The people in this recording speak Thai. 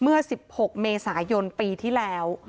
เมื่อ๑๖เมศปีที่แล้ว